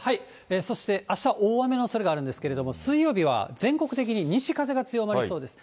そしてあした、大雨のおそれがあるんですけれども、水曜日は全国的に西風が強まりそうです。